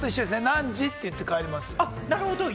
何時と言って帰ります。